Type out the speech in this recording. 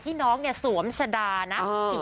น้องเนี่ยสวมชะดานะ